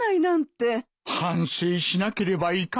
反省しなければいかん。